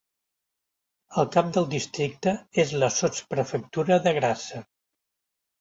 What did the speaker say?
El cap del districte és la sotsprefectura de Grassa.